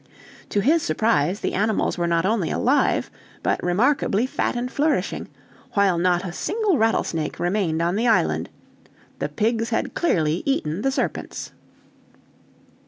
"To his surprise, the animals were not only alive, but remarkably fat and flourishing, while not a single rattlesnake remained on the island. The pigs had clearly eaten the serpents."